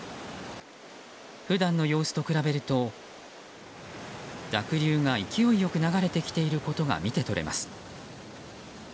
普段の様子と比べると濁流が勢いよく流れてきていることが見てとれます。